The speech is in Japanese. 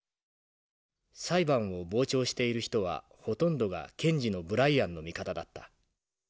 裁判を傍聴している人はほとんどが検事のブライアンの味方だった。